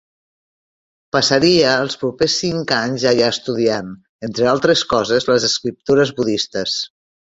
Passaria els propers cinc anys allà estudiant, entre altres coses, les escriptures budistes.